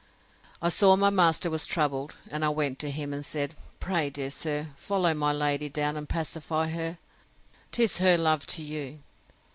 I saw my master was troubled, and I went to him, and said, Pray, dear sir, follow my lady down, and pacify her. 'Tis her love to you.